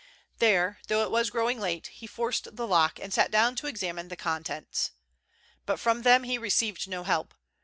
There, though it was growing late, he forced the lock, and sat down to examine the contents. But from them he received no help.